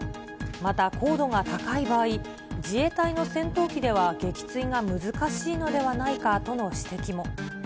また高度が高い場合、自衛隊の戦闘機では撃墜が難しいのではないかとの指摘も。